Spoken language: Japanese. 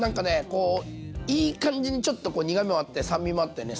こういい感じにちょっと苦みもあって酸味もあってね